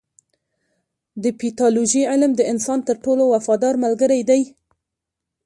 د پیتالوژي علم د انسان تر ټولو وفادار ملګری دی.